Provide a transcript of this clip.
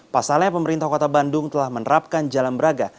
pasalnya pemerintah kota bandung telah menerapkan jalan braga